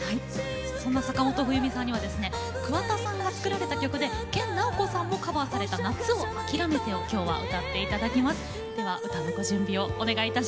そんな坂本冬美さんには桑田さんが作られた曲で研ナオコさんもカバーされた「夏をあきらめて」をきょうは歌っていただきます。